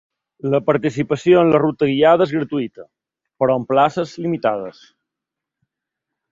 La participació en la ruta guiada és gratuïta, però amb places limitades.